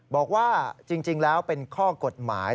บอกว่าจริงแล้วเป็นข้อกฎหมาย